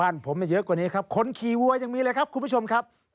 ผมไม่เยอะกว่านี้ครับคนขี่วัวยังมีเลยครับคุณผู้ชมครับ